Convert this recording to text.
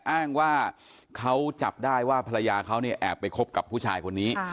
อ้างว่าเขาจับได้ว่าภรรยาเขาเนี่ยแอบไปคบกับผู้ชายคนนี้